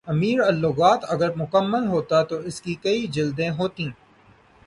امیر اللغات اگر مکمل ہوتا تو اس کی کئی جلدیں ہوتیں